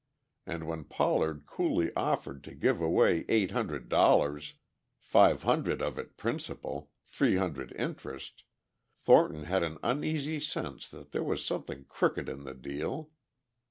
And when Pollard coolly offered to give away eight hundred dollars, five hundred of it principal, three hundred interest, Thornton had an uneasy sense that there was something crooked in the deal.